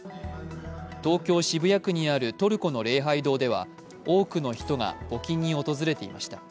東京・渋谷区にあるトルコの礼拝堂では多くの人が募金に訪れていました。